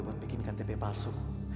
buat bikin ktp palsu